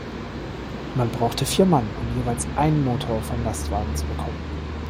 Man brauchte vier Mann, um jeweils einen Motor vom Lastwagen zu bekommen.